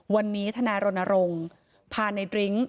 วันนี้ทนายรณรงค์พาในดริ้ง